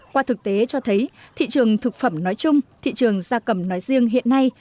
qua thực tế cho thấy thị trường thực phẩm nói chung thị trường gia cầm nói riêng hiện nay